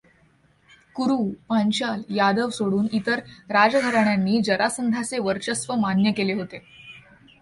कुरु, पांचाल, यादव सोडून इतर राजघराण्यानी जरासंधाचे वर्चस्व मान्य केले होते.